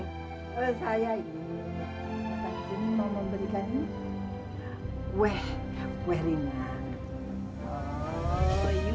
oh saya ini saya mau memberikan lo kue kue ringan